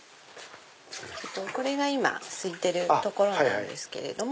これが今すいてるところなんですけれども。